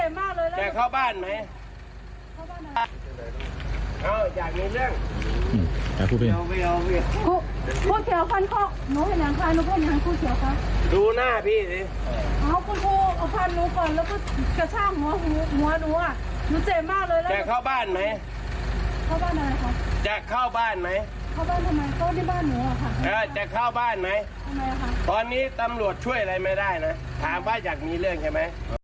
ตอนนี้ตำรวจช่วยอะไรไม่ได้เลยถามว่าอยากมีเรื่องใช่ไหม